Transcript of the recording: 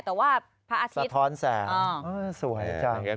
แต่ว่าพระอาทิตย์สะท้อนแสงสวยจัง